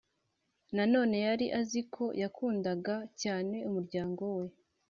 Nanone yari azi ko yakundaga cyane umuryango we